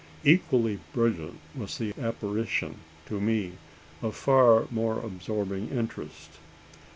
Equally brilliant was the apparition to me, of far more absorbing interest.